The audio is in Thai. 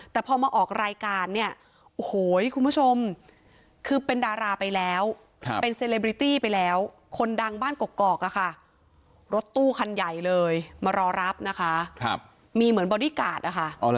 แต่พอมาออกรายการเนี่ยโอ้โหคุณผู้ชมคือเป็นดาราไปแล้วเป็นเซเลบริตี้ไปแล้วคนดังบ้านกอกอะค่ะรถตู้คันใหญ่เลยมารอรับนะคะมีเหมือนบอดี้การ์ดนะคะ